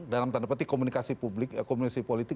dalam tanda petik komunikasi politik